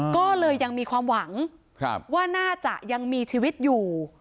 ก็เลยยังมีความหวังว่าน่าจะยังมีชีวิตอยู่